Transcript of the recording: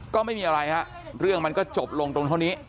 ก็ไม่มีอะไรฮะเรื่องมันก็จบลงตรงเท่านี้